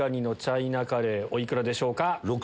お幾らでしょうか？